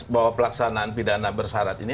bahwa pelaksanaan pidana bersarat ini